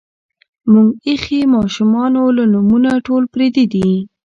مونږ ایخي مـاشومـانو لـه نومـونه ټول پردي دي